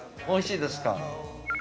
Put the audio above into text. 美味しいですか。